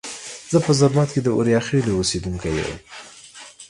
زه په زرمت کې د اوریاخیلو اوسیدونکي یم.